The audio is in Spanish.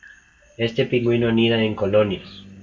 Este pingüino anida en colonias.